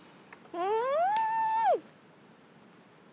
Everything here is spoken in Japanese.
うん！